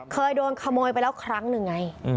เคยโดนขโมยไปแล้วครั้งหนึ่งไง